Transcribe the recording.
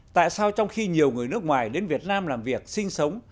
tại sao trong khi nhiều người nước ngoài đến việt nam làm việc sinh sống